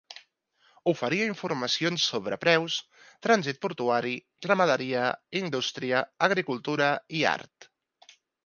Oferia informacions sobre preus, trànsit portuari, ramaderia, indústria, agricultura i art.